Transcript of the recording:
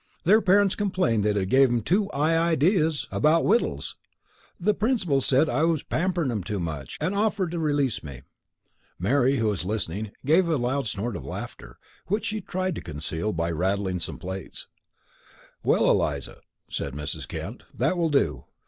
Their parents complained that it gave 'em too 'igh ideas about wittles. The principal said I was pamperin' 'em too much, an' offered to release me." Mary, who was listening, gave a loud snort of laughter, which she tried to conceal by rattling some plates. "Well, Eliza," said Mrs. Kent, "that will do.